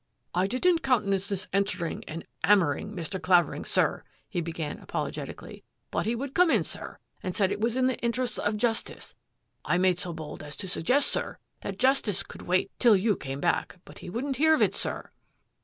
" I didn't countenance this entering and 'ammer ing, Mr. Clavering, sir," he began apologetically, " but he would come in, sir ; said it was in the * interests of justice.' I made so bold as to sug gest, sir, that justice could wait till you came back, but he wouldn't hear of it, sir."